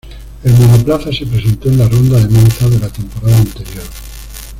El monoplaza se presentó en la ronda de Monza de la temporada anterior.